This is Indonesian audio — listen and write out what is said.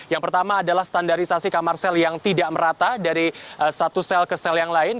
yang pertama adalah standarisasi kamar sel yang tidak merata dari satu sel ke sel yang lain